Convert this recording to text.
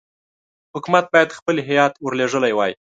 حکومت باید خپل هیات ورلېږلی وای.